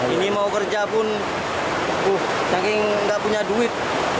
ini mau kerja pun saking nggak punya duit